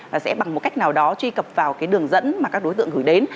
và sẽ bằng một cách nào đó truy cập vào cái đường dẫn mà các đối tượng gửi đến